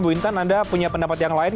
bu intan anda punya pendapat yang lain